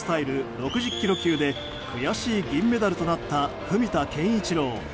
６０ｋｇ級で悔しい銀メダルとなった文田健一郎。